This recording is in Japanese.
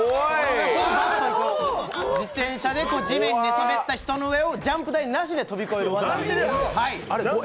自転車で地面に寝そべった人の上をジャンプ台なしで跳び越える技。